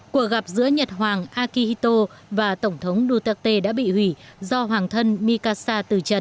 cuộc gặp giữa nhật hoàng akihito và tổng thống duterte đã bị hủy do hoàng thân mikasa từ trần